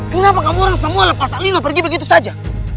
kenapa kamu orang semua lepas alilah pergi begitu saja